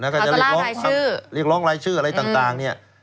เขาจะล้างรายชื่อเรียกร้องรายชื่ออะไรต่าง